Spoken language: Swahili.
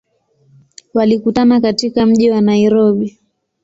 Walikutana katika mji wa Nairobi.